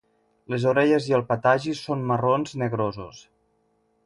Les orelles i el patagi són marrons negrosos.